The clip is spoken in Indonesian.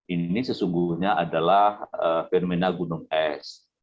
ini sesungguhnya adalah fenomena gunung es